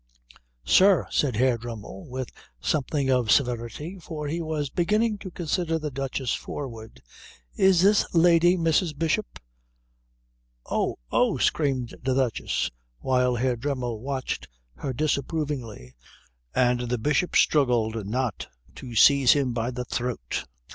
"Sir," said Herr Dremmel with something of severity, for he was beginning to consider the Duchess forward, "is this lady Mrs. Bishop?" "Oh, oh!" screamed the Duchess, while Herr Dremmel watched her disapprovingly and the Bishop struggled not to seize him by the throat.